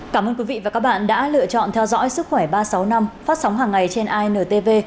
cảm ơn quý vị và các bạn đã lựa chọn theo dõi sức khỏe ba trăm sáu mươi năm phát sóng hàng ngày trên intv